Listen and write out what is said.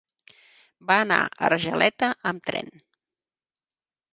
Va anar a Argeleta amb tren.